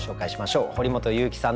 堀本裕樹さんです。